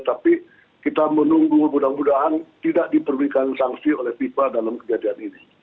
tapi kita menunggu mudah mudahan tidak diberikan sanksi oleh fifa dalam kejadian ini